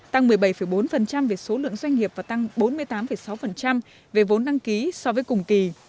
tăng một mươi bảy bốn về số lượng doanh nghiệp và tăng bốn mươi tám sáu về vốn đăng ký so với cùng kỳ